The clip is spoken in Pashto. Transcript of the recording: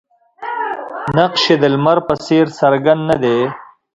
نقش یې د لمر په څېر څرګند نه دی.